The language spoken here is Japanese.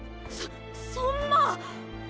そそんな。